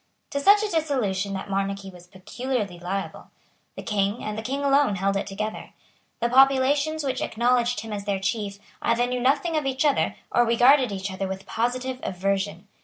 To such a dissolution that monarchy was peculiarly liable. The King, and the King alone, held it together. The populations which acknowledged him as their chief either knew nothing of each other, or regarded each other with positive aversion.